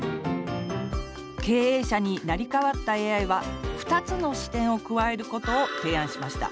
経営者に成り代わったＡＩは２つの視点を加えることを提案しました